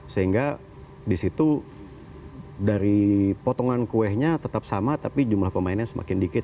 sehingga di situ dari potongan kuenya tetap sama tapi jumlah pemainnya semakin dikit